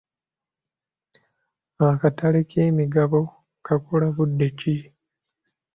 Akatale k'emigabo kakola budde ki?